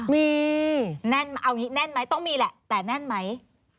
มีหรือเปล่ามีแน่นไหมต้องมีแหละแต่แน่นไหม